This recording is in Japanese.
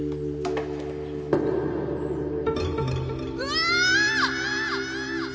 うわ！